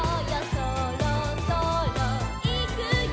「そろそろいくよ」